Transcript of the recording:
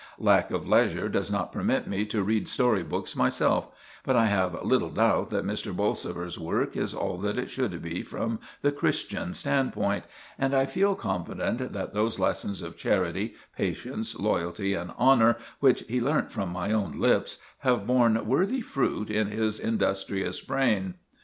Lack of leisure does not permit me to read story books myself; but I have little doubt that Mr. Bolsover's work is all that it should be from the Christian standpoint, and I feel confident that those lessons of charity, patience, loyalty, and honour, which he learnt from my own lips, have borne worthy fruit in his industrious brain.